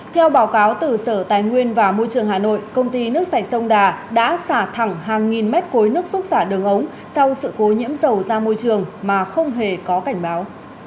theo báo cáo từ sở tài nguyên và môi trường hà nội công ty nước sạch sông đà đã xả thẳng hàng nghìn mét khối nước xúc xả đường ống sau sự cố nhiễm dầu ra môi trường mà không hề có cảnh báo